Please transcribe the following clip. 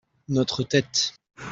notre tête.